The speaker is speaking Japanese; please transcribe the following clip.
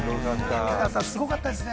武田さん、すごかったですね！